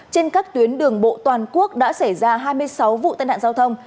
trên các tuyến đường bộ toàn quốc đã xảy ra hai mươi sáu vụ tên hạn giao thông